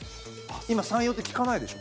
今、サンヨーって聞かないでしょ